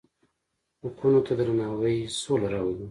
حقونو ته درناوی سوله راولي.